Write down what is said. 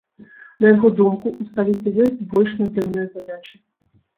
На яго думку, у сталіцы ёсць больш надзённыя задачы.